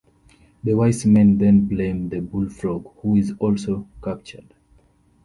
The wise men then blame the bullfrog, who is also captured.